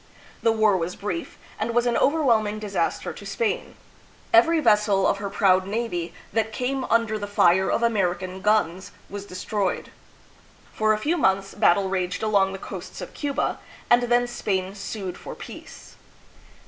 The war was brief, and was an overwhelming disaster to Spain. Every vessel of her proud navy that came under the fire of American guns was destroyed. For a few months battle raged along the coasts of Cuba, and then Spain sued for peace.